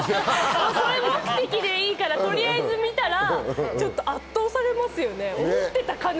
それ目的でいいからとりあえず見たら圧倒されますよね。